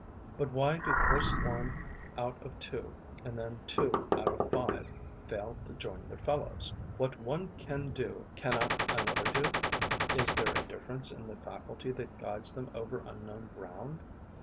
But why do first one out of two and then two out of five fail to join their fellows? What one can do cannot another do? Is there a difference in the faculty that guides them over unknown ground?